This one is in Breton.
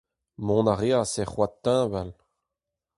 Mont a reas er c'hoad teñval.